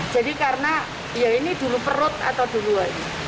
jadi karena ya ini dulu perut atau dulu ini